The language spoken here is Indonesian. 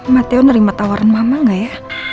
mateo nerima tawaran mama gak ya